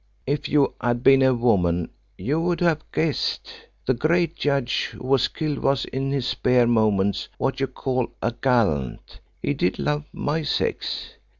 "If you had been a woman you would have guessed. The great judge who was killed was in his spare moments what you call a gallant he did love my sex.